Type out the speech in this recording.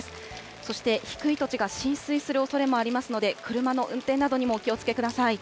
そして低い土地が浸水するおそれもありますので、車の運転などにもお気をつけください。